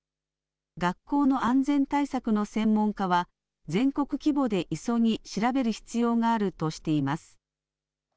学校の安全対策の専門家は、全国規模で急ぎ調べる必要があるとしています。